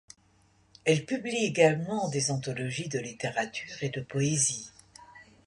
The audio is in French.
Elle publie également des anthologies de littérature et de poésie.